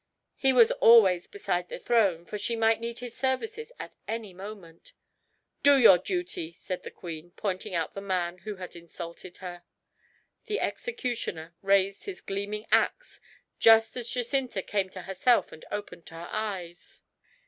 He was always beside the throne, for she might need his services at any moment. "Do your duty," said the queen, pointing out the man who had insulted her. The executioner raised his gleaming axe just as Jacinta came to herself and opened her eyes.